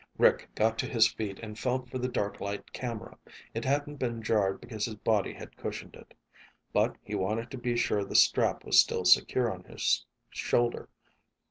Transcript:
Rick got to his feet and felt for the dark light camera. It hadn't been jarred because his body had cushioned it. But he wanted to be sure the strap was still secure on his shoulder.